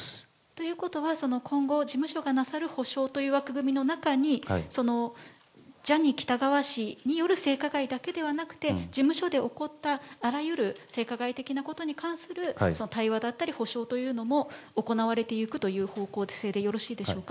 ということは、今後、事務所がなさる補償という枠組みの中に、ジャニー喜多川氏による性加害だけではなくて、事務所で起こったあらゆる性加害的なことに関する対話だったり、補償というのも行われていくという方向性でよろしいでしょうか。